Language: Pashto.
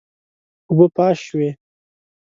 اوبه پاش شوې.